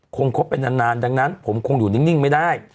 คบไปนานดังนั้นผมคงอยู่นิ่งไม่ได้